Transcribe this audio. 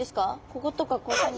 こことかここに。